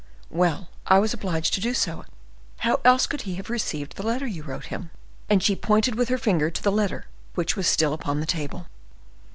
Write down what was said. "Well, I was obliged to do so—how else could he have received the letter you wrote him?" And she pointed with her finger to the letter which was still upon the table.